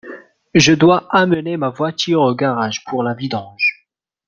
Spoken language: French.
Je dois amener ma voiture au garage pour la vidange.